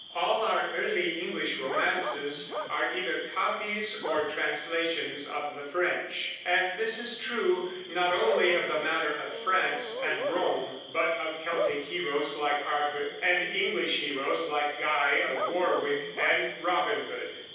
All our early English romances are either copies or translations of the French; and this is true not only of the matter of France and Rome, but of Celtic heroes like Arthur, and English heroes like Guy of Warwick and Robin Hood.